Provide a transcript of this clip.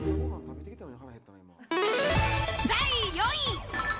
第４位。